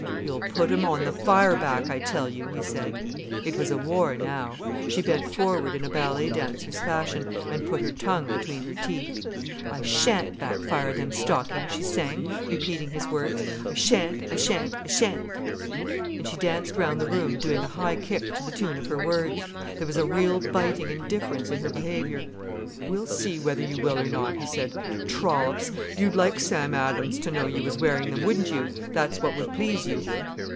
"You'll put 'em on the fire back, I tell you," he said. It was a war now. She bent forward, in a ballet dancer's fashion, and put her tongue between her teeth. "I shan't backfire them stockings," she sang, repeating his words, "I shan't, I shan't, I shan't." And she danced round the room doing a high kick to the tune of her words. There was a real biting indifference in her behaviour. "We'll see whether you will or not," he said, "trollops! You'd like Sam Adams to know you was wearing 'em, wouldn't you? That's what would please you."